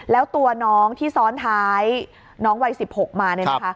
แล้วตัวน้องที่ซ้อนท้ายน้องวัย๑๖มาเนี่ยนะคะ